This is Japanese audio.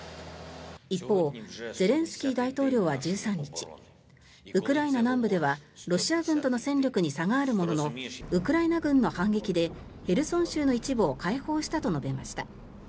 一方ゼレンスキー大統領は１３日ウクライナ南部ではロシア軍との戦力に差があるもののウクライナ軍の反撃でヘルソン州の一部を解放したと述べました。